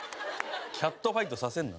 キャットファイトさせるな。